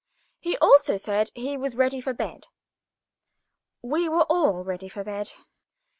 He also said he was ready for bed. We were all ready for bed.